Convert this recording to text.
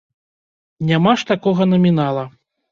Няма ж такога намінала.